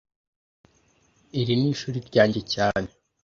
Iri ni ishuri ryanjye cyane